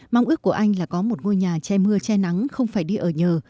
mong ước của anh là có một ngôi nhà che mưa che nắng không phải đi ở nhờ